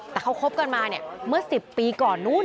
แต่เขาคบกันมาเมื่อ๑๐ปีก่อนโน้น